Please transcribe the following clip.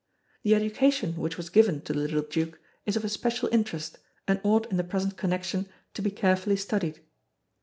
The education which was given to the little Duke is of especial interest and ought in the present connection to be carefully studied.